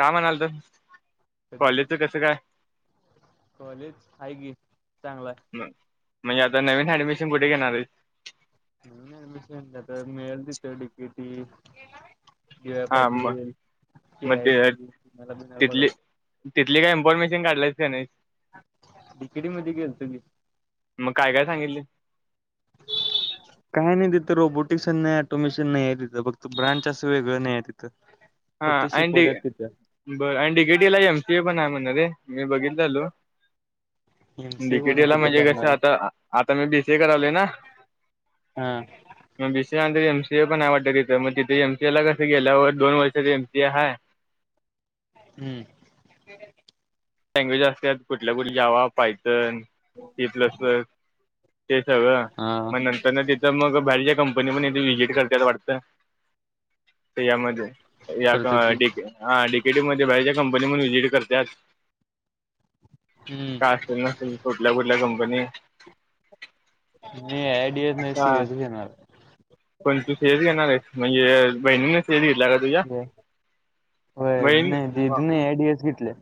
का म्हणालत? कधी. कसं काय? कॉलेज हाय की चांगल. मग म्हणजे आता नवीन ॲडमिशन कुठे घेणार आहे? मिशनता मिळेल तिथ टडिकिटी जव हा मग पाटील, जे, मग आय, ते टी, तुम्हाला बला तिथली बघायचं. तिथली काही इन्फॉर्मेशन काढलंयच का नाहीस. तिकडे मधी गेलतो की. - [unintelligible] काय नाही तित रोबोटिक्स न ऍटोमॅशन नाही तिथं फक्त ब्रँड अस वेगळ नाही हाय तिथं. हा फक्त अँड शिकवतात तिथं बरं आणि डीकेटीला एमसीए पण आहे म्हण रे मी बघितलेलो. एमसीए कोण डिकेटीला कुठं म्हणजे कसं करणार आता आता मी बीसीए करलोय ना. हा. मग बीसीए नंतर एमसीए पण आहे वाटत तिथ मग तिथे एमसीए ला कस गेल्यावर दोन वर्ष एमसीए आहे. हम्म. लँग्वेज असतात कुठल्या कुठ जावा, पायथन सी प्लस. ते सगळं. हा मग नंतर ना तिथं मग बाहेरच्या कंपनी म्हणे व्हिजिट करतात वाटतं. तर यामध्ये या करतात की डी हा डीकेटीई मध्ये बाहेरच्या कंपनी पण व्हिजिट करत्यात. काय हम्म असेल नसेल कुठल्या कुठल्या कंपनी मी ऍड ई नही सी एस इ घेणार. कोण तू सीएसइ घेणारस म्हणजे बहिणी सीएसइ घेतल्या हो नाही दीदी एआयडीएस घेतल्या.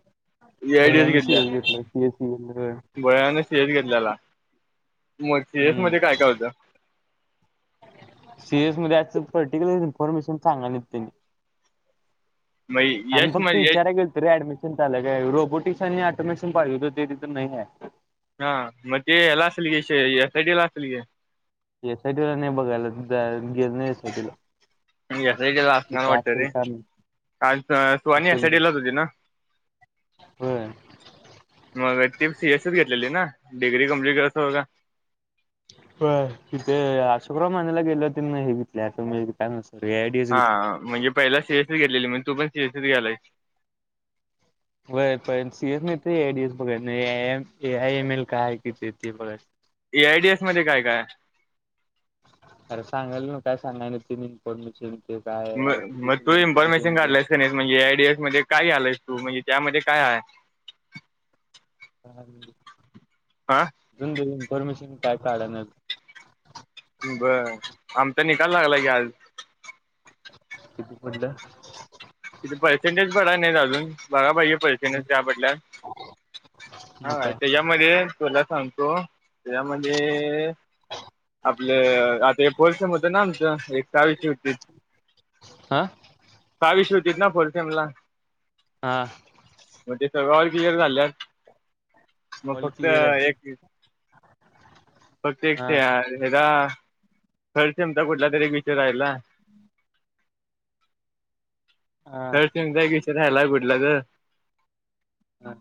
एआयडीएस भैय्यानं सीएस घेतलाय [unintelligible] भयाने सीएस घेतलेला मग सीएस हम्म मध्ये काय काय होतं? सीरयस मध्ये पर्टिक्युलर इन्फॉर्मेशन सांगाय नाहीत त्यांनी. मग आम्ही यश म फक्त इचाराय गेलतो रे ऍडमिशन चालू हाय काय रोबोटिक्स आणि ऑटोमेशन पाहिजे होत ते तिथं नाही आहे. हा मग याला असल की एसआयटी ला असल घे. एसआयटीला नाही बघायला. गेल नाही एसआयटी ला एसआयटीला असणार तिथं वाटत असेल रे काम सुवानी असेल एसआयटी लाच होती ना? होय. मग ती सीएसइ घेतलेली ना डिग्री कम्प्लीट करायचं बघा. होय. तिथे अशोकराव माने ला घेतल्या तीन हे घेतले असेल म्हजे काय ए आय डी एस घेतले. हा म्हणजे पहिला सीएसईस गेलेली म्हण तू पण सीएसई घ्यालास. होय. सीएस नाही ते एडीएस बघ ए आय एम एल काय किती ते एआयडीएस मध्ये काय काय? अरे सांगालोय नव काय सांगायला तिन इन्फॉर्मेशन ते काय म मग आर्टिफिशियल तू इन्फॉर्मेशन इंटेलिजन्स काढलायस का नाहीस म्हणजे एआयडीएस मध्ये काय घ्यालयास तू म्हणजे त्यामध्ये काय आहे? [unintelligible] आ अजून इन्फॉर्मेशन काय काढाय नाय. बरं आमचा निकाल लागला की आज. किती पडलं? तिथे पर्सेंटेज पडाय नाही अजून बघाय पाहिजे. पैसे नही त्याबद्दल्यात मग काय हा मध्ये तुला सांगतो त्यामध्ये आपलं आता हे फोर्थ सेम होत ना आमचं एक वीस होती. आ. काय विषय होतीत ना फोर्थ सेम ला? हा. मग ते सगळ ऑल क्लिअर झाल्यात. मग ऑल फक्त क्लिअर आहे एक फक्त एक ते हा वेगा थर्ड सेमचा कुठला तरी विषय राहिला. हम्म. हा तर तुमचा विषय राहायलाय कुठला तर? हा.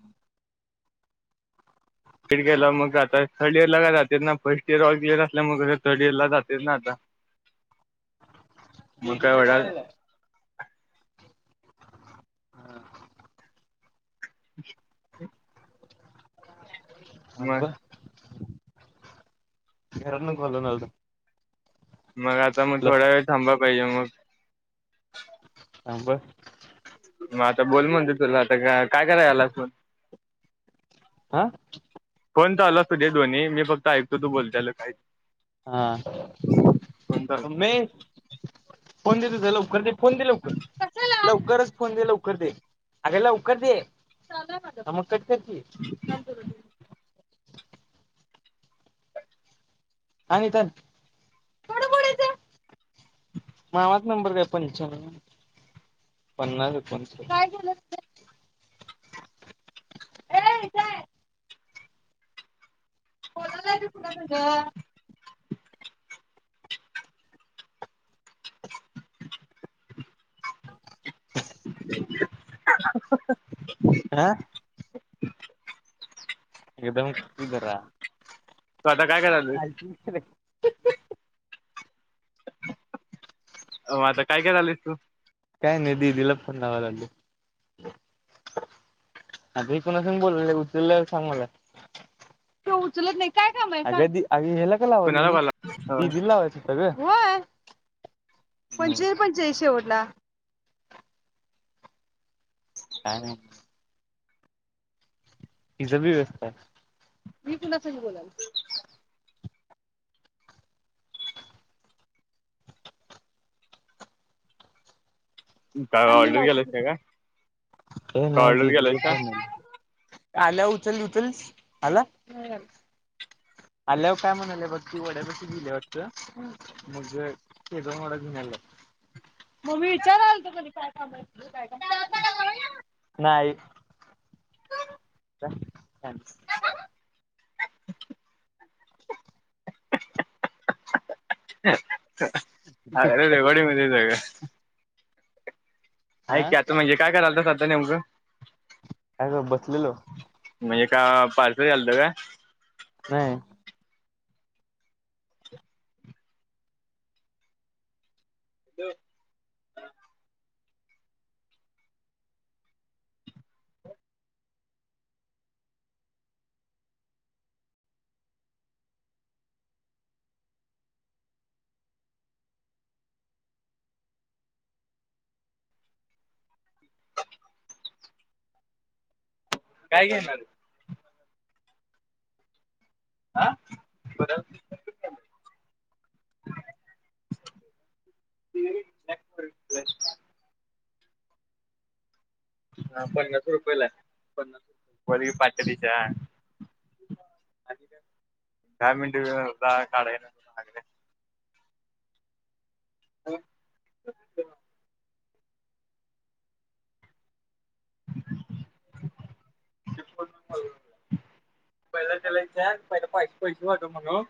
फीड केेला, मग आता थर्ड इयर ला का जाते ना फर्स्ट इयर ऑल क्लियर असल्यामुळं मग थर्ड इयर ला जाते ना आता. [inaudible] मग ददी काय ते वडा पयले हा. अच् हा बर. घरात ना मग घालून आलतो. मग आता मग थोडा वेळ थांबा पाहिजे मग ब मग आता बोल म्हणते तुला आता काय करायलायस तु हा. फोन चालू असुत दे दोन्ही मी फक्त ऐकतो तू बोलतायला काही हा फोन चालू मम्मे फोन दे लवकर दे फोन दे लवकर लवकरच फोन दे लवकर दे. अगं लवकर दे चालू आहे अजून मग कट कर की ह. पोर हा नूतन थोडं पुढ चल. मामा नंबर द्या पंच्यानव पन्नास एकोण काय केलं. ए जाय. कोणालाच कोणा तं [inaudible] [inaudible] का? एकदम खरा तू आता काय करायलीस हो आता काय करालीस तू. काय नाही दीदीला फोन लावा लागलोय. आधी कुना संग बोललोय उचलल्यावर सांग मला ते उचलत नाही काय काम हाय सांग हेला का लावालोय कुणाला मी कॉल दीदीला लावायच. होय पंचेचाळीस पंचेचाळीस शेवटला का नाही. तिझ बी व्यवस्था आहे मी कुणा संग बोलाल. काय हे ऑर्डर केलायस नाही का काय ऑर्डर दिदि कड केलायस फोन का नाही. आल्या उचल उचलच आला. अल्याव काय म्हणाले बघू वड्या बशी गेले वाटत. मग जेवुया केस मग मी विचारालतो कनी नाही. [unintelligible] अजून हे रेकॉर्डिंग मध्येच आहे काय? हा ऐक आता म्हणजे काय करालतास आता नेमकं. काय ग बसलेलो म्हणजे का पार्सल यालतं का? नाही. ह. काय घेणार? हा बदल. हा पन्नास रुपयेला पन्नास रुपये व पातळीच्या दहा मिनट काढाय ना. हा. ह. पहिला त्याला विचार पहिले पैसे वाट म्हणून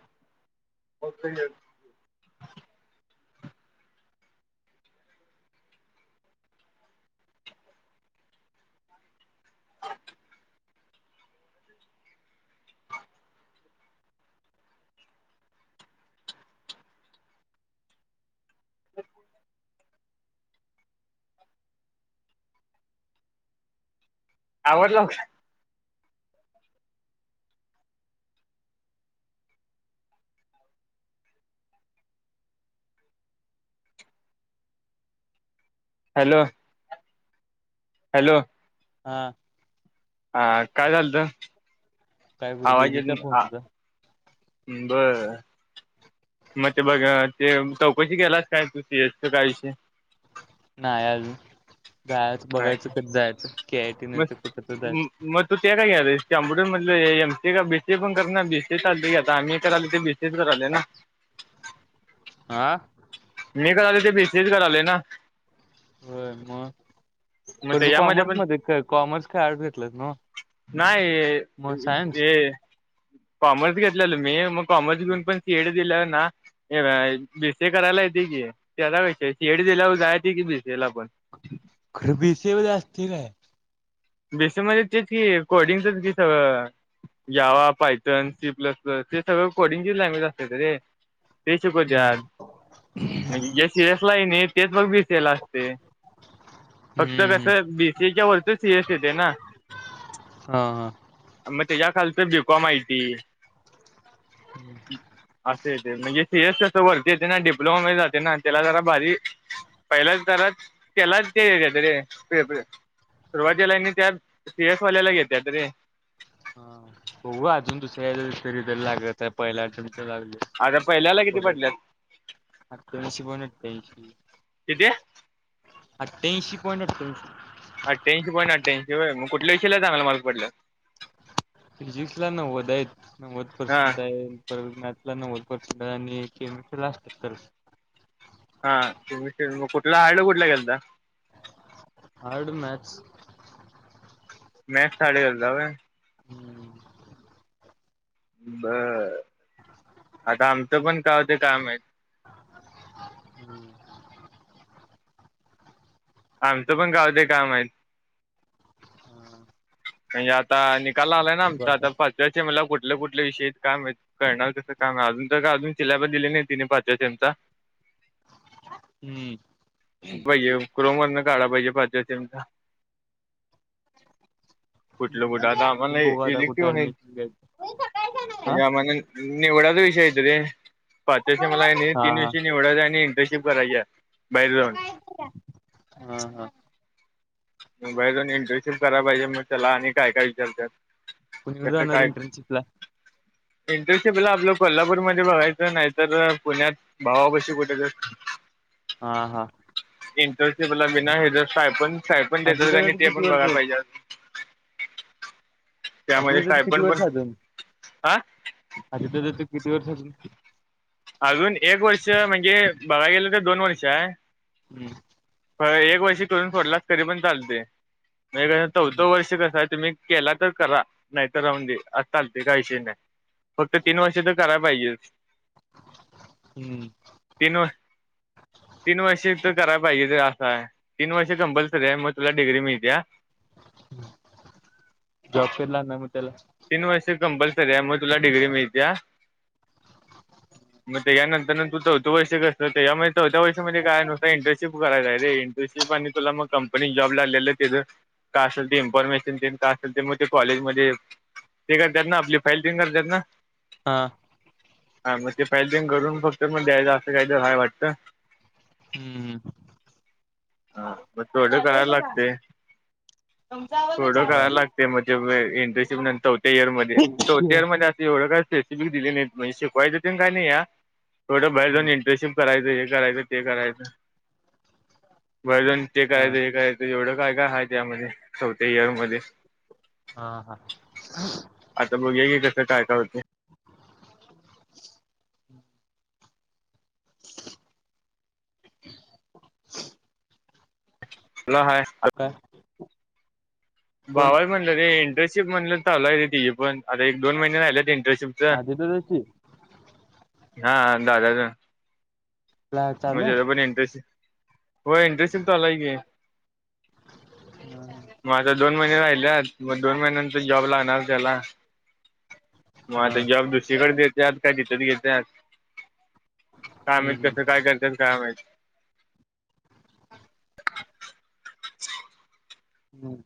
आवडला का हॅलो. हॅलो. हां. हा काय झालंत काय ग आवाज येत दिदीचा ना. फोनचा बर. मग ते बघ ते चौकशी केलास काय तू सी एस च काय विषय नाही अजून जायच नाही बघायचं कस जायचं के आय टी नंतर कुठ तर जायचं. मग मग तू ते का घ्यायलस कॅम्प्युटर मधलं एम सी का बीसीए पण कर ना बीसीए चालतय की आम्ही करालोय ते बी तेचरा आले ना आ मी करालोय ते बीसीएच करालोय ना होय मग मग पर तू त्याच्यामध्ये कॉमर्स पण मध्ये का कॉमर्स काय आर्टस घेतलास न्हव नाही हे कॉमर्स घेतलेल मी मग कॉमर्स घेऊन पण पेढ दिल ना हे बीसीए करायला येते की त्या क सीएड दिल्या जायेत की बीसीए ला पण खरं बीसीए मध्ये असतय काय? बीसीए मध्ये तेच की कोडिंगचच की सगळं Java Python C plus plus हे सगळं कोडिंगचीच लँग्वेज असते रे ते हम्म शिकवत्यात म्हणजे सियस लाई आय नाही तेच मग बीसीएला असते फक्त हम्म हम्म कसं बीसीए च्या वरच तेच येतंय ना हा हा मग त्याच्या खालच बीकॉम आय टी [inaudible] असे येते म्हणजे सीएस सी अस वरती येते ना डिप्लोमा म जाते ना त्याला जरा भारी पहिलाच तररा केलाच [unintelligible] सुरुवातीला आणि त्यात सी एस वाल्याला घेत्यात रे हा बघू अजून दुसऱ्या सेमीस्टर रिझल्ट लागत तर पहिल्या सेमीस्टर तर लागल आता पहिल्याला किती पडल्यात? अठ्ठ्याईंशी पॉईंट अठठ्याऐंशी किती अठ्ठ्याऐंशी पॉइंट अठ्ठ्याऐंशी अठ्ठ्याईंशी पॉईंट अठ्ठ्याईंशी होय. मग कुठल्या विषयाला चांगला मार्क पडलं? फिजिक्स ला नव्वद आहेत नव्वद [unintelligible] आहेत. मॅथ्स हा नव्वद पर्सेंट आहेत आणि केमिस्ट्री ला असतील हा तुमी ते मग कुठला हार्ड कुठला गेलता? हार्ड मॅथ्स मॅथ्स हार्ड गेलता होय. हम्म बर [inaudible] आता आमचं पण काय होत काय माहित. हम्म आमचं पण गाव ते काम आहेत. म्हणजे आता निकाल आलाय ना बघू आमचा आता पा ज्याचे मला कुठल्या कुठल्या विषयी आहेत काय माहित करणार तसं काम अजून तर का अजून सिलॅबस दिले नाही तिने पाचव्या सीमचा हम्म ते क्रोमवरन काढाय पाहिजे पाचव्या सीमचा कुठलं कुठ आता मी आम्हाला बघू आता कुठे इलेक्टिव्ह आहे ऍडमिशन घ्यायचं हा म्हणजे आम्हाला निवडायचं विषय आहेत रे पाचव्या सेमला का नई तीन हा विषय निवडायच आणि इंटर्नशिप करायची आहे बाहेर जाऊन हा हा हा. बाहेर जाऊन इंटर्नशिप कराया पाहिजे मग त्याला आणि काय काय विचारत्यात. कुणीकडे त्याच जाणार काय इंटर्नशिपला इंटर्नशिपला आपलं कोल्हापूरमध्ये बघायचं नाहीतर पुण्यात भावापशी कुठे तर हा हा इंटर्नशिपला बिना हे ज [unintelligible] सायपण [unintelligible] सापण आजी देतात का दादाच ते किती पण वर्ष बघायला पाहिजे आति त्यामध्ये ददा [unintelligible] त किती स्टायपण पण वर्ष अजून हा आजीदादा [unintelligible] तू किती वर्षा जुन अजून एक वर्ष म्हणजे बघा गेलं तर दोन वर्ष आहे हम्म एक वर्षी करून सोडलास तरी पण चालते म्हणजे चौथं वर्ष कसं आहे तुम्ही केला तर करा नाहीतर राऊून द चालते काही इशय नाही फक्त तीन वर्षे तर कराया पाहिजेल हम्म तीन व तीन वर्षे तर करायला पाहिजे ते असा आहे तीन वर्षे कंपलसरी आहे मग तुला डिग्री मिळतीया जॉब कधी लागणार मग त्याला तीन वर्ष कंपल्सरी आहे मग तुला डिग्री मिळतिया. मग त्याच्यानंतरन तू चौथं करतो यामुळे चौथ्या वर्षामध्ये काय - [unintelligible] इंटर्नशिप करायचं रे इंटनशिप आणि तुला मग कंपनीत जॉब लागलेलं तिथं काय असेल ते इन्फॉर्मेशन देन काय असेल ते मग ते कॉलेजमध्ये ते करतात ना आपली फाईल टिंग [unintelligible] करत्यात ना हां हा मग ते फायदिंग [unintelligible] करून फक्त मग द्यायचं असं काही तरी हाय वाटतं ह् हा चालू मग तेवढं हाय करायला बघा तुमचा आवाज आहे थोडं चहा कळायला पाणी? लागते म्हणजे इंटर्नशिप नंतर चौथ्या इयर मध्ये चौथ्या इयर मध्ये असं एवढं कळते दिले नाही म्हणजे शिकवायचं काय नाही या थोडं बाहेर जाऊन इंटर्नशिप करायचं हे करायंच ते करायचं वजन ते हा करायचं हे कायचं एवढं काय काय आहेत यामध्ये चौथ्या इयर मध्ये हा हा आता मग ये की कसं काय का होते [inaudible] लो हाय काय कोण भावाला म्हटलं रे इंटर्नशिप म्हणलं चालू आहे र तेची पण आता एक दोन महिने राहिलेत इंटर्नशिप हजितरची [unintelligible] हा दादा चालू आहे? म्हणजे पण इंटरेस्ट ये हो इंटर्नशिप चालू हाय की मग दोन महिने राहिले मग दोन महिन्यानंतर जॉब लागणार त्याला मग हा आता जॉब दुसरीकडे देत्यात का तिथच देत्यात काय माहीत् हम्म कसं काय करत्यात काय माहीत हम्म